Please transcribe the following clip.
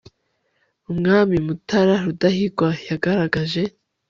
umwami mutara rudahigwa yagaragaje